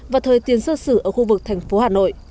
và thời tiền sơ sử ở khu vực thành phố hà nội